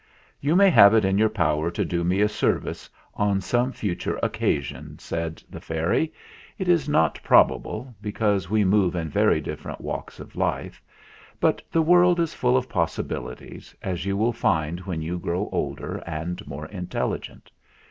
"You may have it in your power to do me a service on some future occasion," said the fairy. "It is not probable, because we move in very different walks of life; but the world is full of possibilities, as you will find when you grow older and more intelligent.